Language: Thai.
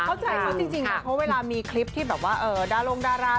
แต่เข้าใจซะจริงนะเพราะเวลามีคลิปที่ดารองดารา